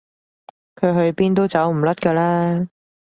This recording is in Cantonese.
佢去邊都走唔甩㗎啦